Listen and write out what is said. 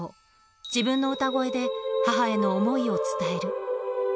自分の歌声で、母への思いを伝える。